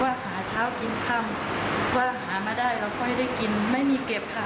หาเช้ากินค่ำว่าหามาได้เราค่อยได้กินไม่มีเก็บค่ะ